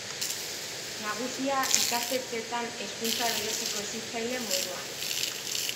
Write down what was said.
Nagusia, ikastetxetan, Hezkuntza bereziko hezitzaile moduan.